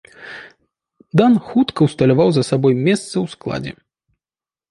Дан хутка ўсталяваў за сабой месца ў складзе.